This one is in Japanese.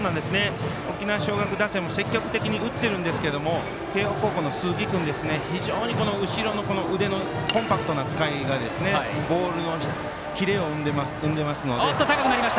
沖縄尚学打線も積極的に打っているんですけど慶応高校の鈴木君は非常に後ろの腕のコンパクトな使いがボールのキレを生んでますので。